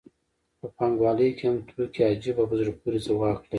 په پانګوالۍ کې هم توکي عجیب او په زړه پورې ځواک لري